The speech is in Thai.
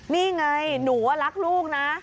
นี่ไงหนูว่ารักลูกนะ